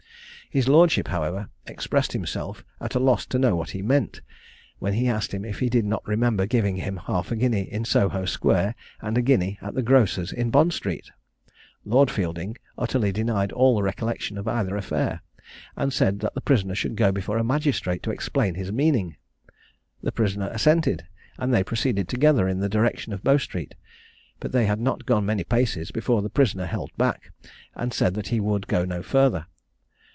His lordship, however, expressed himself at a loss to know what he meant, when he asked him if he did not remember giving him a half guinea in Soho square, and a guinea at the grocer's in Bond street? Lord Fielding utterly denied all recollection of either affair, and said that the prisoner should go before a magistrate to explain his meaning. The prisoner assented, and they proceeded together in the direction of Bow street; but they had not gone many paces before the prisoner held back, and said that he would go no further.